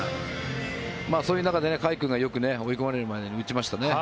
そういう中で甲斐君がよく追い込まれる前に打ちましたね。